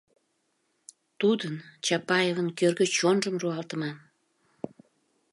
Тудын, Чапаевын кӧргӧ чонжым руалтыман.